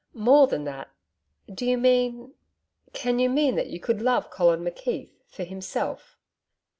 'More than that.... Do you mean ... can you mean that you could love Colin McKeith for himself?'